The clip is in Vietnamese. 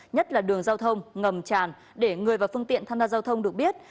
nhất là đường giao thông ngầm tràn để người và phương tiện tham gia giao thông được biết